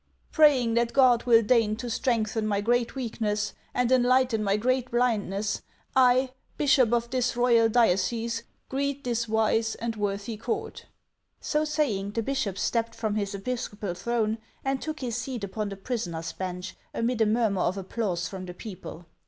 " Praying that God will deign to strengthen my great weakness, and enlighten my great blindness, I, tfANS OF ICELAND. 433 bishop of this royal diocese, greet this wise and worthy court." So saying, the bishop stepped from his episcopal throne, and took his seat upon the prisoners' bench, amid a murmur of applause from the people.